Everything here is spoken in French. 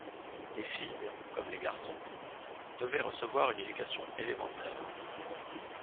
Les filles, comme les garçons, devaient recevoir une éducation élémentaire.